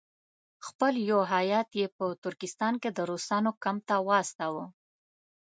خپل یو هیات یې په ترکستان کې د روسانو کمپ ته واستاوه.